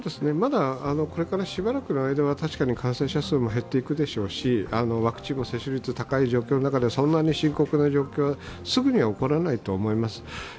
これからしばらくの間はまだ感染者数も減っていくでしょうしワクチンの接種率が高い中、そんなに深刻な状況はすぐには起こらないと思います。